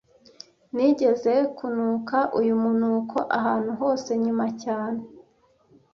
Nigeze kunuka uyu munuko ahantu hose nyuma cyane